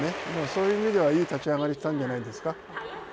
そういう意味ではいい立ち上がりをしたんじゃないですか。